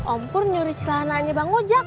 om pur nyuri celana nya bang ujak